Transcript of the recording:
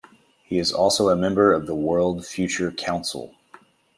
He is also a member of the World Future Council.